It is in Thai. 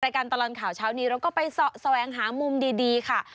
การตลอดข่าวเช้านี้เราก็ไปแสวงหามุมดีค่ะ